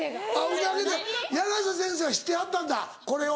ウナギやなせ先生は知ってはったんだこれを。